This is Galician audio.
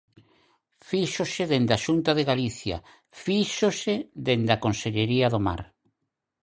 Fíxose dende a Xunta de Galicia, fíxose dende a Consellería do Mar.